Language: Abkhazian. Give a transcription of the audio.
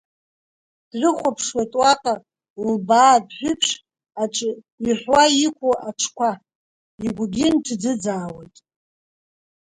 Дрыхәаԥшуеит уаҟа лбаа адәҳәыԥш аҿы иҳәуа иқәу аҽқәа, игәгьы нҭӡыӡаауеит…